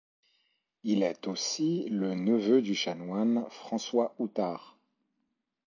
Il est aussi le neveu du chanoine François Houtart.